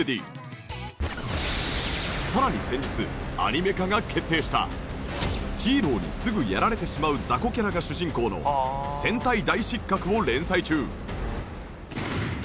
さらに先日ヒーローにすぐやられてしまう雑魚キャラが主人公の『戦隊大失格』を連載中。